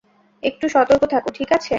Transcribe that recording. একটু সতর্ক থাকো, ঠিক আছে?